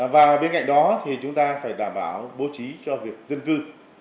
và bên cạnh đó thì chúng ta phải đảm bảo bố trí cho việc dân cư